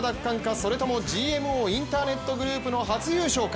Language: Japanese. それともＧＭＯインターネットグループの初優勝か。